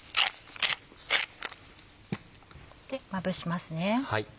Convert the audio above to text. まぶしますね。